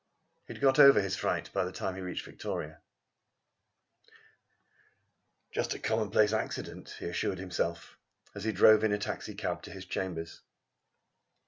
He had got over his fright by the time he reached Victoria. "Just a common place accident," he assured himself, as he drove in a taxi cab to his chambers.